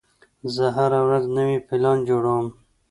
زه هره ورځ نوی پلان جوړوم.